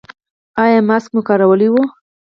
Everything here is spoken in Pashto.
ایا ماسک مو کارولی و؟